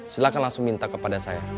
silahkan langsung minta kepada saya